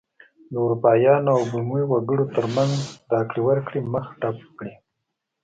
د اروپایانو او بومي وګړو ترمنځ راکړې ورکړې مخه ډپ کړي.